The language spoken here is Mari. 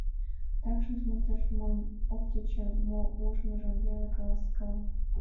Адакшым туныкташ монь ок тӧчӧ, мо ужмыжым веле каласкала...